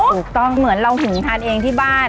ถูกต้องเหมือนเราถึงทานเองที่บ้านอะ